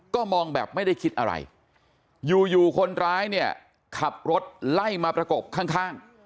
ก็มองแบบไม่ได้คิดอะไรอยู่อยู่คนร้ายเนี่ยขับรถไล่มาประกบข้าง